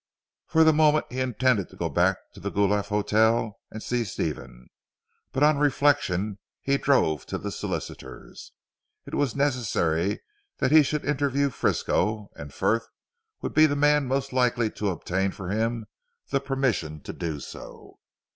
For the moment he intended to go back to the Guelph Hotel and see Stephen; but on reflection drove to the solicitors. It was necessary that he should interview Frisco, and Frith would be the man most likely to obtain for him the permission to do so.